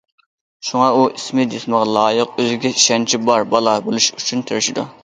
شۇڭا ئۇ ئىسمى جىسمىغا لايىق، ئۆزىگە ئىشەنچى بار بالا بولۇش ئۈچۈن تىرىشىدۇ.